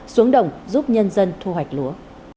xuống đồng giúp nhân dân thu hoạch lúa